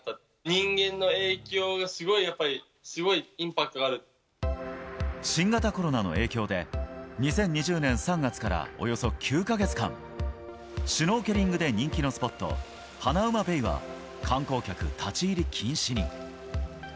人間の影響が、すごいやっぱり、新型コロナの影響で、２０２０年３月からおよそ９か月間、シュノーケリングで人気のスポット、ハナウマベイは観光客、立ち入り禁止に。